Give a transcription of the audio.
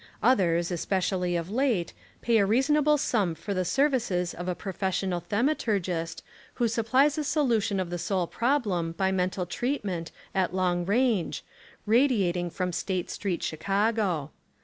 Others, especially of late, pay a reasonable sum for the services of a profes sional thaumaturgist who supplies a solution of the soul problem by mental treatment at long range, radiating from State St., Chicago.